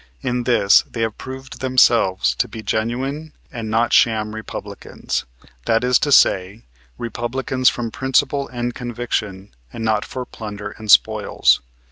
In this they have proved themselves to be genuine and not sham Republicans, that is to say, Republicans from principle and conviction and not for plunder and spoils.